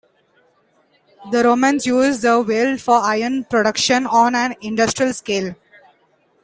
The Romans used the Weald for iron production on an industrial scale.